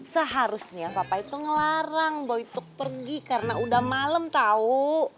seharusnya papa itu ngelarang boy tuk pergi karena udah malem tau